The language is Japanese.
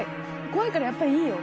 怖いからやっぱりいいよ。